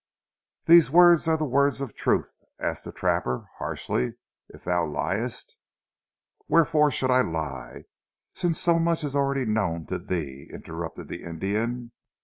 "These words are the words of truth?" asked the trapper, harshly. "If thou liest " "Wherefore should I lie, since so much is already known to thee?" interrupted the Indian.